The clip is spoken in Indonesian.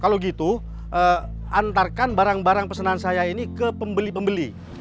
kalau gitu antarkan barang barang pesanan saya ini ke pembeli pembeli